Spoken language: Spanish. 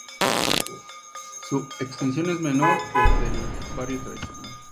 Su extensión es menor que la del barrio tradicional.